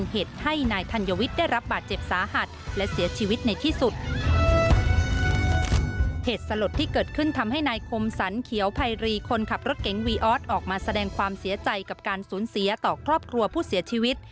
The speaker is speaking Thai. การสูญเสียต่อครอบครัวผู้เสียชีวิต